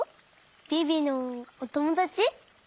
ビビのおともだち？